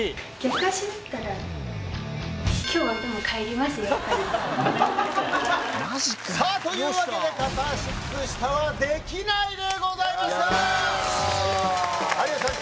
やっぱりマジかさあというわけで片足靴下はできないでございました有吉さん